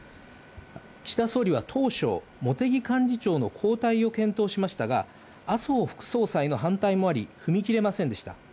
岸田総理は当初、茂木幹事長の交代を検討しましたが、麻生副総裁の反対もあり、踏み切れませんでした。